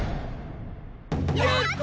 やった！